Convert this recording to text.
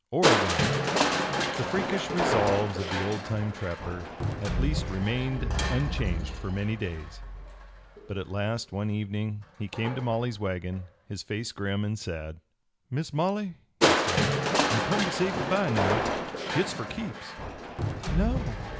OREGON! THE freakish resolves of the old time trapper at least remained unchanged for many days, but at last one evening he came to Molly's wagon, his face grim and sad. "Miss Molly," he said, "I'm come to say good by now. Hit's for keeps." "No?